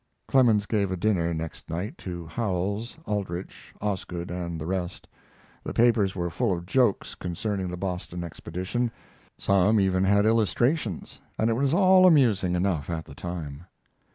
Clemens gave a dinner, next night, to Howells, Aldrich, Osgood, and the rest. The papers were full of jokes concerning the Boston expedition; some even had illustrations, and it was all amusing enough at the time.